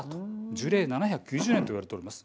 樹齢７９０年といわれています。